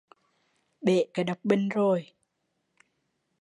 Bể cái độc bình rồi